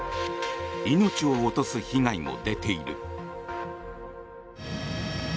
命を落とす被害も出ている。